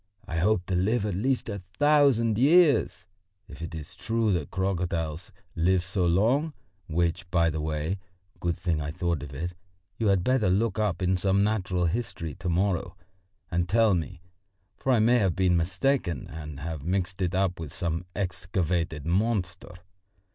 I hope to live at least a thousand years, if it is true that crocodiles live so long, which, by the way good thing I thought of it you had better look up in some natural history to morrow and tell me, for I may have been mistaken and have mixed it up with some excavated monster.